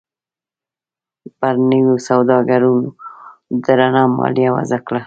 پر نویو سوداګرو درنه مالیه وضعه کړه.